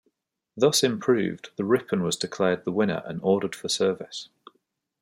Thus improved, the Ripon was declared the winner and ordered for service.